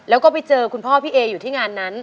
แล้วก็ไปเจอคุณพ่อพี่เออยู่ที่งานนั้น